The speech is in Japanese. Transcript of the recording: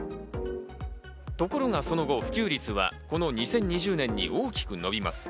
ところがその後、普及率はこの２０２０年に大きく伸びます。